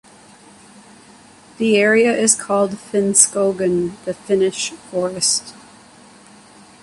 The area is called Finnskogen, "The Finnish forest".